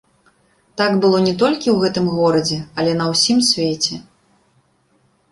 Так было не толькі ў гэтым горадзе, але на ўсім свеце.